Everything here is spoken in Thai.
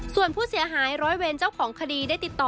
ส่วนผู้เสียหายร้อยเวรเจ้าของคดีได้ติดต่อ